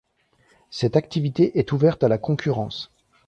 Cette activité est ouverte à la concurrence.